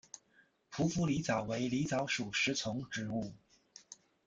匍匐狸藻为狸藻属食虫植物。